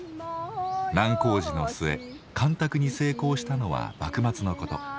難工事の末干拓に成功したのは幕末のこと。